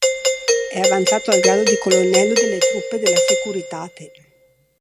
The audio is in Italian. È avanzato al grado di colonnello delle truppe della Securitate.